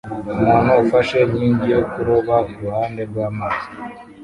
Umuntu ufashe inkingi yo kuroba iruhande rwamazi